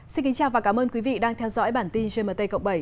xin kính chào và cảm ơn quý vị đang theo dõi bản tin gmt cộng bảy